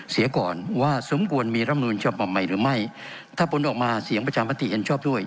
เสียก่อนว่าสมกลมีรัฐธรรมนูญเฉพาะใหม่หรือไม่ถ้าปุ้นออกมาเสียงประชามาติเห็นชอบด้วย